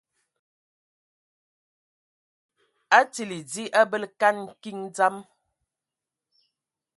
Atili dzi a bələ kan kiŋ dzam.